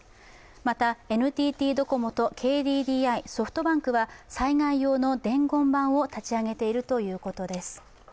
また、ＮＴＴドコモとＫＤＤＩ、ソフトバンクは災害用の伝言板を立ち上げているということです。